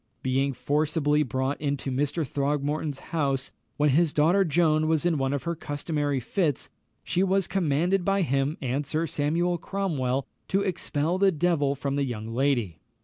Being forcibly brought into Mr. Throgmorton's house, when his daughter Joan was in one of her customary fits, she was commanded by him and Sir Samuel Cromwell to expel the devil from the young lady.